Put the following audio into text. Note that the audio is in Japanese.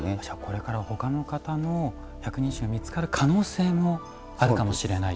これから、ほかの方の百人一首が見つかる可能性もあるかもしれないと。